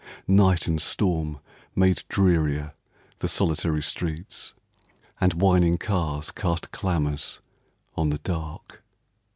Night and storm Made drearier the solitary streets, And whining cars cast clamors on the dark.